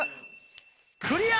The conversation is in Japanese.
クリア！